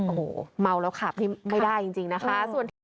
โอ้โหเมาแล้วขับนี่ไม่ได้จริงนะคะ